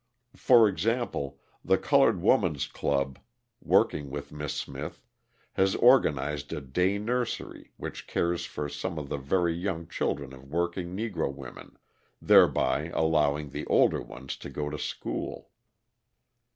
For example, the Coloured Woman's Club, working with Miss Smith, has organised a day nursery which cares for some of the very young children of working Negro women, thereby allowing the older ones to go to school.